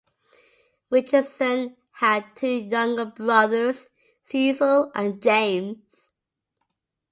Richardson had two younger brothers, Cecil and James.